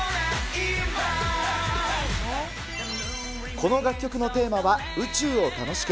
この楽曲のテーマは、宇宙を楽しく。